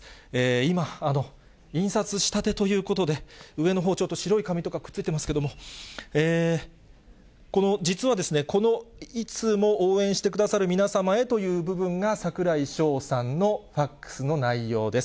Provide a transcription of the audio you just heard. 今、印刷したてということで、上のほう、ちょっと白い紙とかくっついてますけれども、実は、いつも応援してくださる皆様へという部分が櫻井翔さんのファックスの内容です。